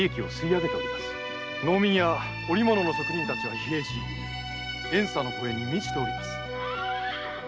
農民や織物の職人たちは疲弊し怨嗟の声に満ちております。